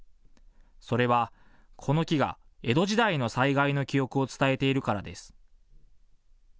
それはこの木が江戸時代の災害の記憶を伝えているからです。